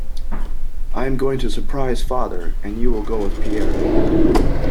I am going to surprise father, and you will go with Pierre.